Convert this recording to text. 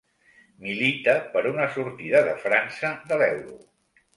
Milita per una sortida de França de l'euro.